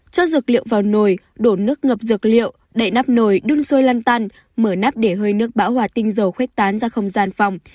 cho dược liệu vào nồi đổ nước ngập dược liệu đậy nắp nồi đun sôi lan tan mở nắp để hơi nước bão hòa tinh dầu khuếch tán ra không gian phòng